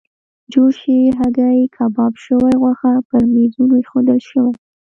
جوشې هګۍ، کباب شوې غوښه پر میزونو ایښودل شوې.